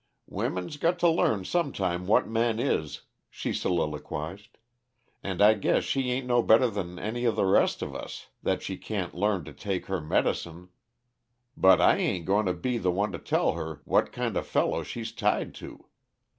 "Women's got to learn some time what men is," she soliloquized, "and I guess she ain't no better than any of the rest of us, that she can't learn to take her medicine but I ain't goin' to be the one to tell her what kinda fellow she's tied to.